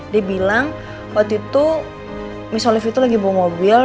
dia bilang waktu itu misolif itu lagi bawa mobil